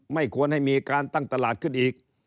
ไม่ควรให้มีการตั้งตลาดขึ้นอีก